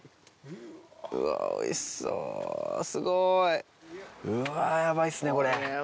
うわおいしそうすごい！うわヤバいっすねこれ。